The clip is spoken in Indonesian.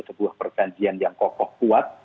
sebuah perjanjian yang kokoh kuat